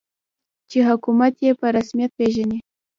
چې حکومت یې په رسمیت پېژني.